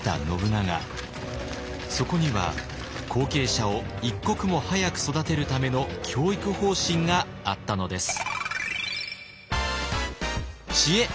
そこには後継者を一刻も早く育てるための教育方針があったのです。